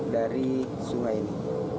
dari sungai ini